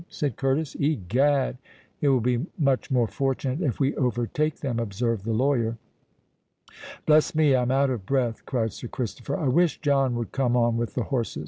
said Curtis. "Egad!——" "It will be much more fortunate if we overtake them," observed the lawyer. "Bless me!—I'm out of breath," cried Sir Christopher. "I wish John would come on with the horses.